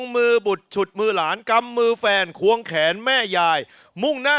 สวัสดีพ่อแม่พี่น้องทั่วฟ้าเมืองไทย